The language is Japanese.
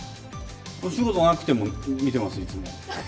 お仕事なくても見てます、いつも。